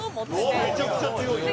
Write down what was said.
めちゃくちゃ強いじゃん！